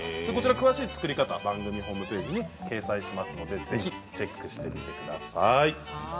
詳しい作り方は番組のホームページに掲載しますのでぜひチェックしてみてください。